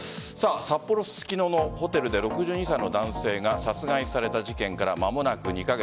札幌・ススキノのホテルで６２歳の男性が殺害された事件から間もなく２カ月。